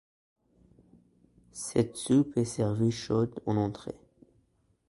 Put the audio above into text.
Cette soupe est servie chaude, en entrée.